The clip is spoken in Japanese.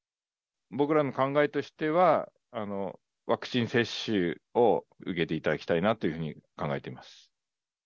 僕らの考えとしては、ワクチン接種を受けていただきたいなというふうに考えています。